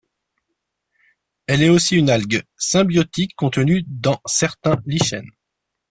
Elle est aussi une algue symbiotique contenue dans certains lichens.